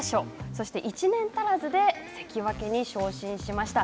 そして、１年足らずで関脇に昇進しました。